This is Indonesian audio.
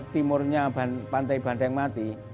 timurnya pantai bandengmati